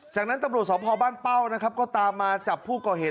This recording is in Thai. จากนั้นตำรวจสพบ้านเป้านะครับก็ตามมาจับผู้ก่อเหตุ